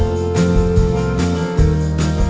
โปรดติดตามตอนต่อไป